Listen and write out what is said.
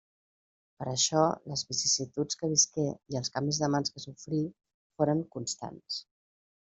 Per això, les vicissituds que visqué, i els canvis de mans que sofrí, foren constants.